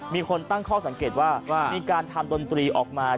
มีคนตั้งข้อสังเกตว่ามีการทำดนตรีออกมา